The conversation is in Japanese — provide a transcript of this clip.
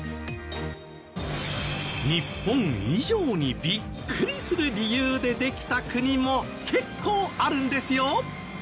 日本以上にビックリする理由でできた国も結構あるんですよ。